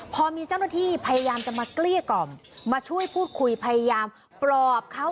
พอมีเจ้าหน้าที่พยายามจะมาเกลี้ยกล่อมมาช่วยพูดคุยพยายามปลอบเขา